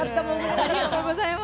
ありがとうございます。